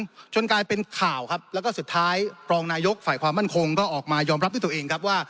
จนกลายเป็นข่าวครับแล้วก็สุดท้ายรองนายกฝ่ายความมั่นคงก็ออกมายอมรับด้วยตัวเองครับว่า